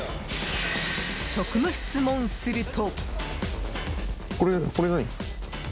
職務質問すると。